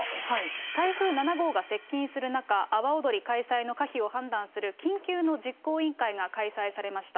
台風７号が接近する中、阿波おどり開催の可否を判断する緊急の実行委員会が開催されました。